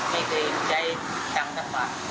ไม่เคยใจตั้งแต่ฝาก